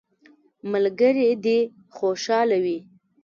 ملګري دي خوشحاله وي.